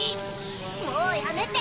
もうやめて！